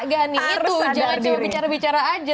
jangan cuma bicara bicara saja